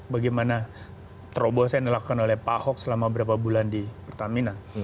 bagaimana terobosan yang dilakukan oleh pak ahok selama berapa bulan di pertamina